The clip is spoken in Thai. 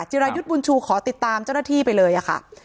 รายุทธ์บุญชูขอติดตามเจ้าหน้าที่ไปเลยค่ะ